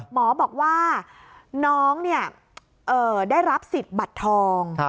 หมอบอกว่าน้องได้รับสิทธิ์บัตรทอง